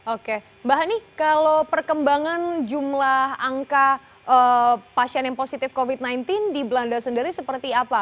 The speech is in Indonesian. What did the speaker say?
oke mbak hani kalau perkembangan jumlah angka pasien yang positif covid sembilan belas di belanda sendiri seperti apa